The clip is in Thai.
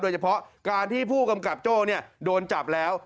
โดยเฉพาะการที่ผู้กำกับโจ้โดนจับแล้ว